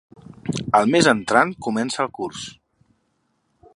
El mes entrant comença el curs.